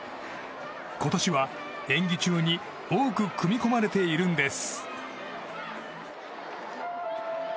今年は、演技中に多く組み込まれているんです。